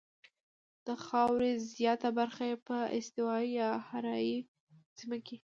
د خاورې زیاته برخه یې په استوایي یا حاره یې سیمه کې ده.